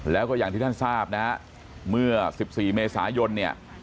แล้วก็อย่างที่ท่านทราบนะฮะเมื่อ๑๔เมษายนเนี่ย